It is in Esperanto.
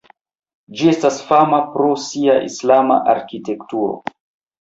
Ĝi estas fama pro sia islama arkitekturo.